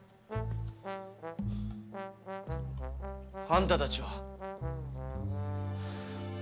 あんたたちは。